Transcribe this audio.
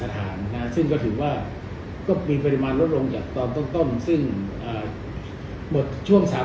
แต่ก็มีปริมาณลดลงจากต้นต้นต้นซึ่งอ่าหมดช่วงสาม